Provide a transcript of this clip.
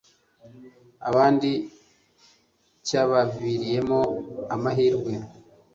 abandi cyabaviriyemo amahirwe